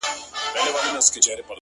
ته ليونۍ به سې بې كاره به سې.!